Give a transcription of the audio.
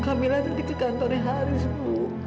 kamilah tadi ke kantornya haris bu